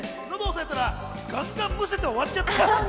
喉を押さえたら、ガンガンむせて終わっちゃった。